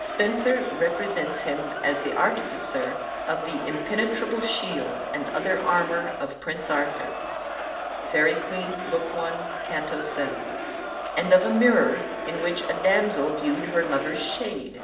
Spenser represents him as the artificer of the impenetrable shield and other armor of Prince Arthur ("Faery Queene," Book I., Canto vii.), and of a mirror, in which a damsel viewed her lover's shade.